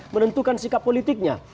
menentukan sikap politiknya